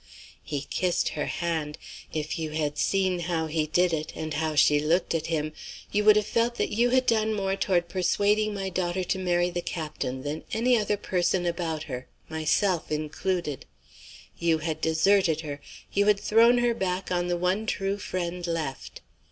"He kissed her hand. If you had seen how he did it, and how she looked at him, you would have felt that you had done more toward persuading my daughter to marry the Captain than any other person about her, myself included. You had deserted her; you had thrown her back on the one true friend left.